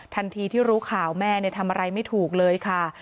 ทันทีที่รู้ข่าวแม่ทำอะไรไม่ถูกเลยค่ะ